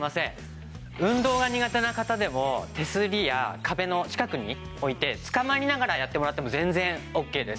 運動が苦手な方でも手すりや壁の近くに置いてつかまりながらやってもらっても全然オッケーです。